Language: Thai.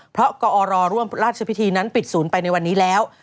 เพราะกอรร่วมราชพิธีนั้นปิดศูนย์ไปในวันนี้แล้ว